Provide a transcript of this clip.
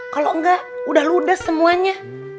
kalau enggak udah ludes semuanya